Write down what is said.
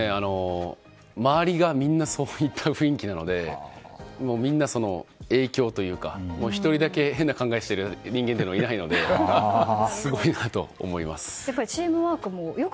周りがそういった雰囲気でみんな影響というか１人だけ変な考えしている人間はいないのですごいなと思います。